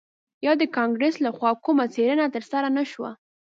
یا د کانګرس لخوا کومه څیړنه ترسره نه شوه